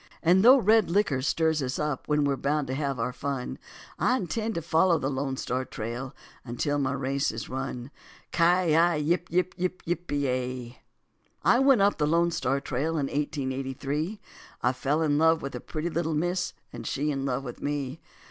And though red licker stirs us up we're bound to have our fun, And I intend to follow the Lone Star Trail until my race is run. Ci yi yip yip yip pe ya. I went up the Lone Star Trail in eighteen eighty three; I fell in love with a pretty miss and she in love with me.